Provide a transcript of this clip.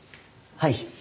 はい。